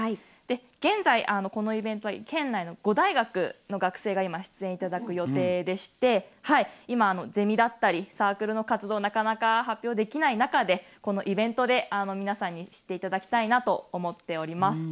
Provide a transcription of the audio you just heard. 現在、このイベントは県内の５大学の大学生が出演していただく予定でしてゼミだったりサークルの活動がなかなか発表できない中でこのイベントで皆さんに知っていただきたいなと思っております。